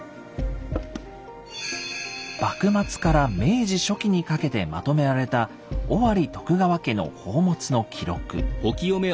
幕末から明治初期にかけてまとめられた尾張徳川家の宝物の記録。